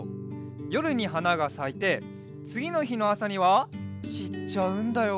よるにはながさいてつぎのひのあさにはちっちゃうんだよ。